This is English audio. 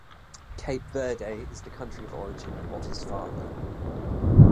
Cape Verde is the country of origin of his father.